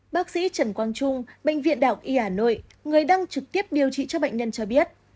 bác sĩ trần quang trung bệnh viện đạo y hà nội người đang trực tiếp điều trị cho bệnh nhân cho biết